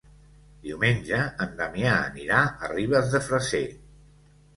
Diumenge en Damià anirà a Ribes de Freser.